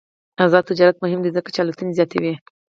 آزاد تجارت مهم دی ځکه چې الوتنې زیاتوي.